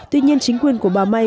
tuy nhiên chính quyền của bà may